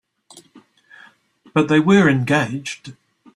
But they were engaged.